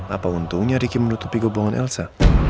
apa untungnya riki menutupi gobongan elsa